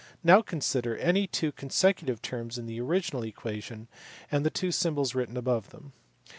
Now consider any two consecutive terms in the original equation, and the two symbols written above them.